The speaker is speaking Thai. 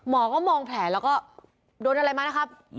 หมอก็มองแผลแล้วก็โดนอะไรมานะครับ